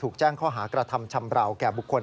แจ้งข้อหากระทำชำราวแก่บุคคล